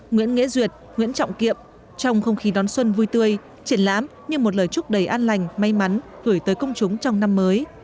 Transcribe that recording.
nguyễn nghĩa duyệt nguyễn trọng kiệm trong không khí đón xuân vui tươi triển lãm như một lời chúc đầy an lành may mắn gửi tới công chúng trong năm mới